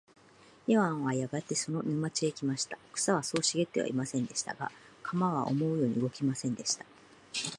イワンはやがてその沼地へ来ました。草はそう茂ってはいませんでした。が、鎌は思うように動きませんでした。